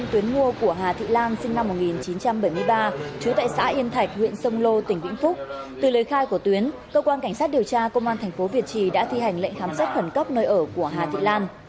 trong thời gian khai của tuyến cơ quan cảnh sát điều tra công an tp việt trì đã thi hành lệnh khám sát khẩn cấp nơi ở của hà thị lan